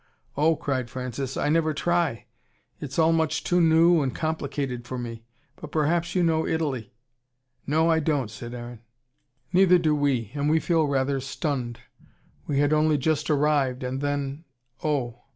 "Oh," cried Francis. "I never try. It's all much too new and complicated for me. But perhaps you know Italy?" "No, I don't," said Aaron. "Neither do we. And we feel rather stunned. We had only just arrived and then Oh!"